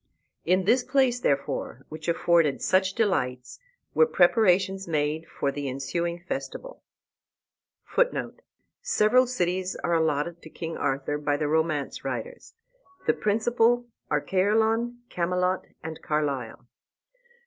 In this place, therefore, which afforded such delights, were preparations made for the ensuing festival. [Footnote: Several cities are allotted to King Arthur by the romance writers. The principal are Caerleon, Camelot, and Carlisle.